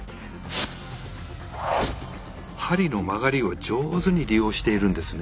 針の曲がりを上手に利用しているんですね。